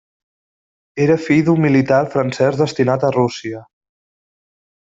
Era fill d'un militar francès destinat a Rússia.